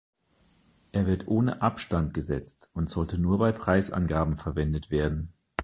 Er wird ohne Abstand gesetzt und sollte nur bei Preisangaben verwendet werden.